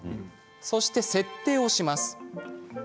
そして設定をします。